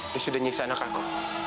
lu sudah nyiksa anak aku